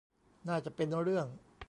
น่าจะเป็นเรื่อง